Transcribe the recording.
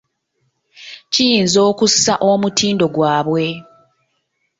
Kiyinza okussa omutindo gwabwe.